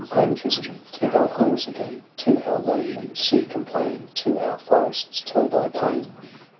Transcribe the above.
Home, Tristram, to thy halls again ! To our lonely sea complain, To our forests tell thy pain